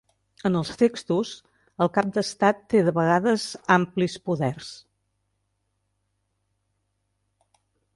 En els textos, el cap d'Estat té de vegades amplis poders.